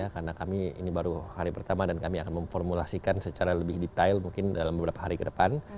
karena kami ini baru hari pertama dan kami akan memformulasikan secara lebih detail mungkin dalam beberapa hari ke depan